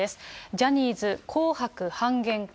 ジャニーズ紅白半減か。